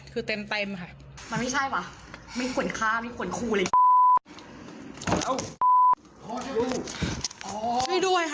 คุณสมัครค่ะคุณสมัครค่ะ